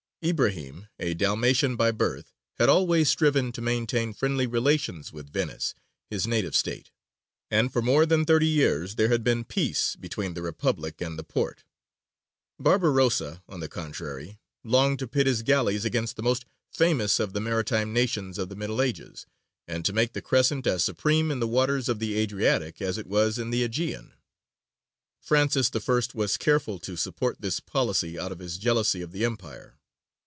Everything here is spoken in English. Ibrahīm, a Dalmatian by birth, had always striven to maintain friendly relations with Venice, his native state, and for more than thirty years there had been peace between the Republic and the Porte. Barbarossa, on the contrary, longed to pit his galleys against the most famous of the maritime nations of the Middle Ages, and to make the Crescent as supreme in the waters of the Adriatic as it was in the Aegean. Francis I. was careful to support this policy out of his jealousy of the Empire.